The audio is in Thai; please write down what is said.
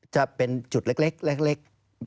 จะเป็นจุดเล็กเล็ก